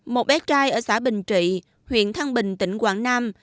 một bé trai ở xã bình trị huyện thăng bình tỉnh quảng nam